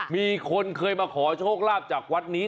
มีคนเคยมาขอโชคลาภจากวัดนี้